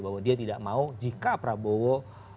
bahwa dia tidak mau jika prabowo